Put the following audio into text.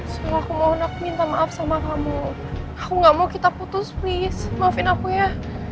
semua aku mohon aku minta maaf sama kamu aku gak mau kita putus please maafin aku ya